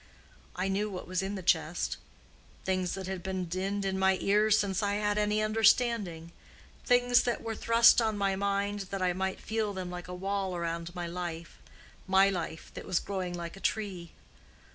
I knew what was in the chest—things that had been dinned in my ears since I had had any understanding—things that were thrust on my mind that I might feel them like a wall around my life—my life that was growing like a tree.